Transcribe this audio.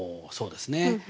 そうですね。